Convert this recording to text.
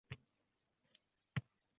Biz, hech bo'lmaganda bir necha kun turamiz.